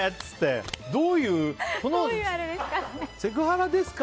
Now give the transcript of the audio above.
セクハラですか？